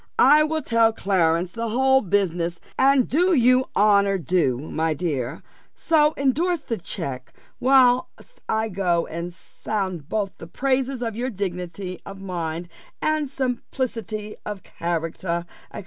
I will tell Clarence the whole business, and do you honour due, my dear: so endorse the check, whilst I go and sound both the praises of your dignity of mind, and simplicity of character, &c.